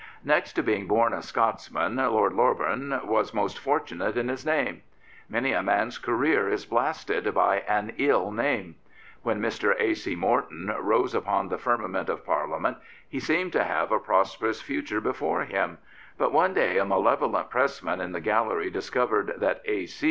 Next to being bora a Scotsman, Lord Loreburn was most fortunate in his name. Many a man's career is blasted by an ill name. When Mr. A. C. Morton rose upon the firmament of Parliament, he seemed to have 195 Prophets, Priests, and Kings a prosperous future before him. But one day a malevolent pressman in the Gallery discovered that " A.